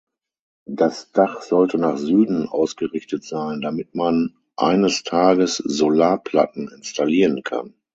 Das Dach sollte nach Süden ausgerichtet sein, damit man eines Tages Solarplatten installieren kann.